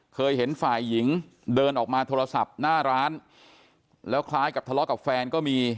เคยเห็นฝ่ายหญิงเดินออกมาโทรศัพท์หน้าร้านแล้วคล้ายกับทะเลาะกับแฟนก็มี